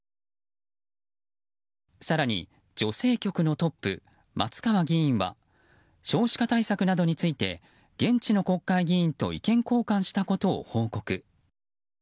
更に女性局のトップ、松川議員は少子化対策などについて現地の国会議員と意見交換したことを報告。